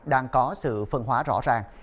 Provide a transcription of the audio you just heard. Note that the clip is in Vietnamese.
đang có sự phân hóa rõ ràng